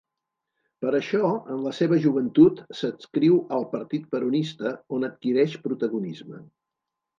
Per això, en la seva joventut, s'adscriu al Partit Peronista, on adquireix protagonisme.